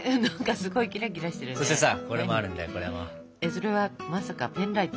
それはまさかペンライト？